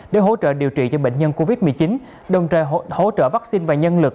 để hỗ trợ điều trị cho bệnh nhân covid một mươi chín đồng thời hỗ trợ vaccine và nhân lực